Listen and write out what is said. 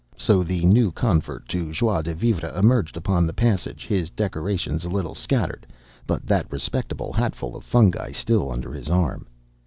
So the new convert to joie de vivre emerged upon the passage, his decorations a little scattered, but that respectable hatful of fungi still under his arm.